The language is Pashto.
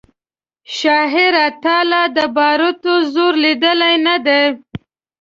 شاعره تا لا د باروتو زور لیدلی نه دی